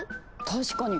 確かに！